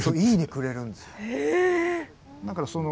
「いいね」くれるんですよ。